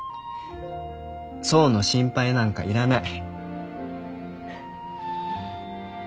想の心配なんかいらない。